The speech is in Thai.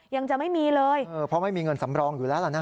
ยังจะไม่มีเลยเพราะไม่มีเงินสำรองอยู่แล้วล่ะนะ